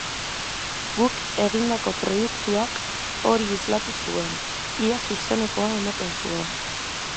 Guk egindako produktuak hori islatu zuen, ia zuzenekoa ematen zuen.